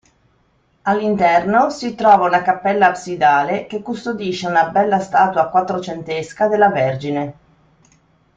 All'interno si trova una cappella absidale che custodisce una bella statua quattrocentesca della Vergine.